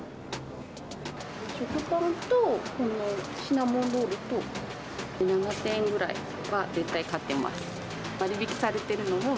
食パンと、シナモンロールと、７点ぐらいは絶対買ってます。